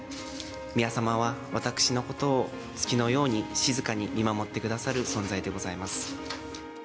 宮さまは私のことを月のように静かに見守ってくださる存在でございます。